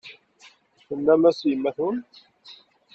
Tennam-as i yemma-twen?